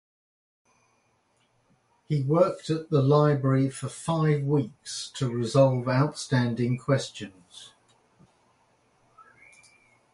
He worked at the library for five weeks to resolve outstanding questions.